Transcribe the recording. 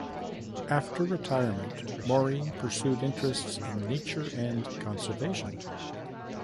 After retirement, Maury pursued interests in nature and conservation.